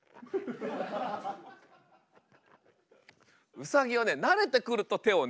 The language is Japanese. ウサギはね慣れてくると手をね